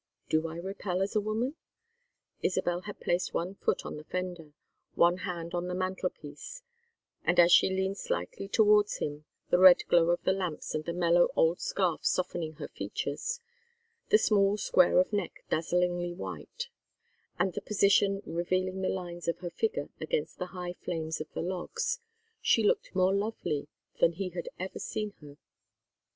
"Do I repel as a woman?" Isabel had placed one foot on the fender, one hand on the mantel piece, and as she leaned slightly towards him, the red glow of the lamps and the mellow old scarf softening her features, the small square of neck dazzlingly white, and the position revealing the lines of her figure against the high flames of the logs, she looked more lovely than he had ever seen her.